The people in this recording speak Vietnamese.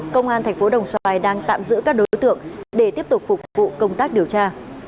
công an thành phố đồng xoài đang tạm giữ các đối tượng để tiếp tục phục vụ công tác điều tra